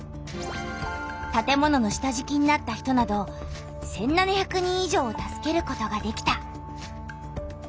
たて物の下じきになった人など１７００人以上を助けることができた。